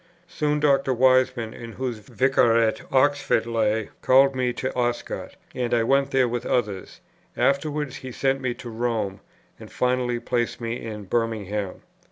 Soon, Dr. Wiseman, in whose Vicariate Oxford lay, called me to Oscott; and I went there with others; afterwards he sent me to Rome, and finally placed me in Birmingham.